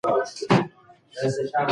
د زده کړې ملاتړ کول د کورنۍ د پلار کار دی.